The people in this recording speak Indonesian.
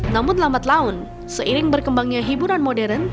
namun lambat laun seiring berkembangnya hiburan modern